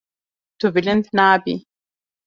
Tu bilind nabî.